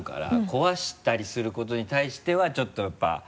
壊したりすることに対してはちょっとやっぱ。